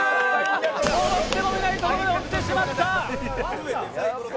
思ってもいないところで落ちてしまった。